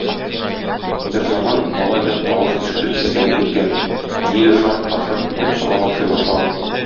Берзаман малай ят тавыш ишетеп сискәнеп киткән; нидер шарт та шорт итеп салам ашый башлаган.